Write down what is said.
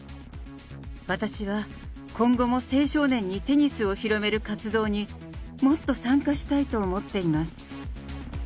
私は今後も青少年にテニスを広める活動にもっと参加したいと思っています。